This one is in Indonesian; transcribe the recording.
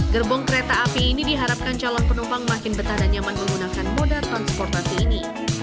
gerbong kereta api ini diharapkan calon penumpang makin betah dan nyaman menggunakan moda transportasi ini